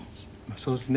そうですね。